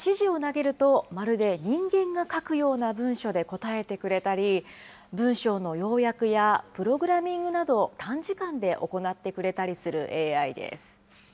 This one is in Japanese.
質問や指示を投げると、まるで人間が書くような文書で答えてくれたり、文章の要約やプログラミングなど、短時間で行ってくれたりするＡＩです。